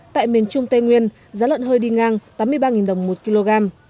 tại miền trung tây nguyên giá lợn hơi đi ngang tám mươi ba đồng một kg